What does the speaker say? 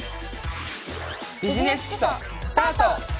「ビジネス基礎」スタート！